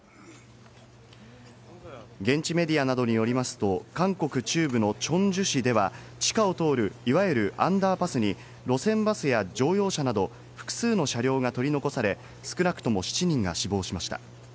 現地メディアなどによりますと、韓国中部のチョンジュ市では、地下を通る、いわゆるアンダーパスに路線バスや乗用車など、複数の車両が取り残され、少なくとも７人が死亡しました。